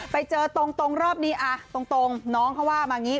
ไปเจอตรงรอบนี้ตรงน้องเขาว่ามาอย่างนี้